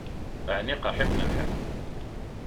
Ɛni iqṛeḥ-ikent lḥal?